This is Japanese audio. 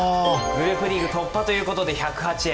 グループリーグ突破ということで１０８円。